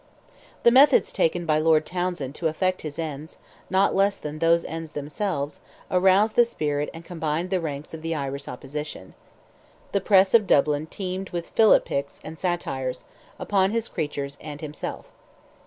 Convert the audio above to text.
The methods taken by Lord Townsend to effect his ends, not less than those ends themselves, aroused the spirit and combined the ranks of the Irish opposition. The press of Dublin teemed with philippics and satires, upon his creatures and himself.